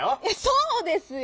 そうですよ！